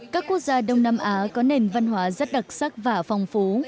các quốc gia đông nam á có nền văn hóa rất đặc sắc và phong phú